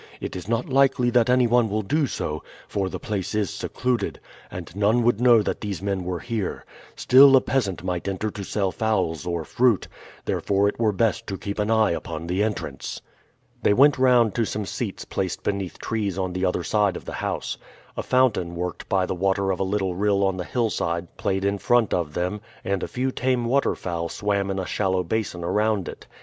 It is not likely that any one will do so, for the place is secluded, and none would know that these men were here; still a peasant might enter to sell fowls or fruit, therefore it were best to keep an eye upon the entrance." They went round to some seats placed beneath trees on the other side of the house. A fountain worked by the water of a little rill on the hillside played in front of them, and a few tame waterfowl swam in a shallow basin around it.